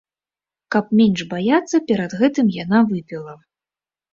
Каб менш баяцца, перад гэтым яна выпіла.